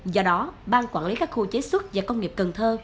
do đó ban quản lý các khu chế xuất và công nghiệp cần thơ